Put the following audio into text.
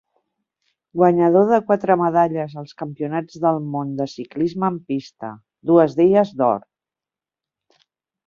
Guanyador de quatre medalles als Campionats del Món de Ciclisme en pista, dues d'elles d'or.